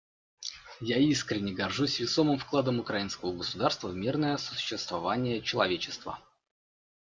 Я искренне горжусь весомым вкладом украинского государства в мирное сосуществование человечества.